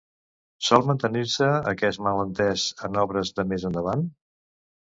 Sol mantenir-se aquest malentès en obres de més endavant?